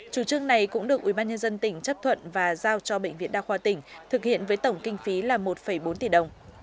chủ trương này cũng được ubnd tỉnh chấp thuận và giao cho bệnh viện đa khoa tỉnh thực hiện với tổng kinh phí là một bốn tỷ đồng